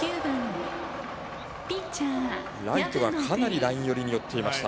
ライトがかなりライン寄りに寄っていました。